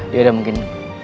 ya udah mungkin